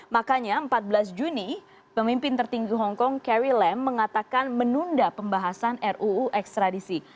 makanya empat belas juni pemimpin tertinggi hongkong carry lem mengatakan menunda pembahasan ruu ekstradisi